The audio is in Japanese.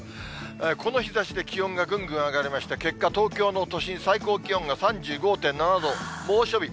この日ざしで気温がぐんぐん上がりまして、結果、東京の都心、最高気温が３５．７度、猛暑日。